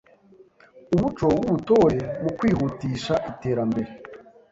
Umuco w’U butore mu kwihutisha Iterambere: